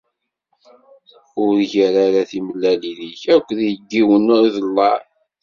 Ur ggar ara timellalin-ik akk deg yiwen n uḍellaε.